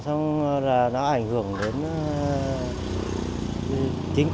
xong là nó ảnh hưởng đến chính quyền địa phương